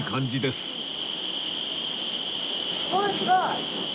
すごいすごい！